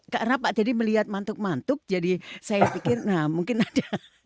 karena pak taidi melihat mantuk mantuk jadi saya pikir nah mungkin ada